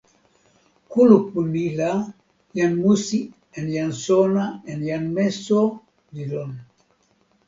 kulupu ni la, jan musi en jan sona en jan meso li lon.